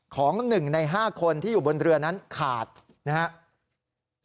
ของ๑ใน๕คนที่อยู่บนเรือนั้นขาดนะครับ